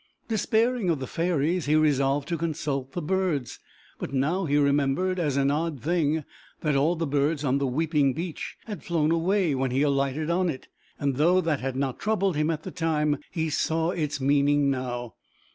Despairing of the fairies, he resolved to consult the birds, but now he remembered, as an odd thing, that all the birds on the weeping beech had flown away when he alighted on it, and though that had not troubled him at the time, he saw its meaning now.